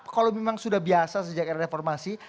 kalau memang sudah biasa sejak era reformasi